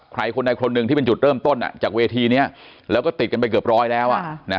ใครคนใดคนหนึ่งที่เป็นจุดเริ่มต้นจากเวทีนี้แล้วก็ติดกันไปเกือบร้อยแล้ว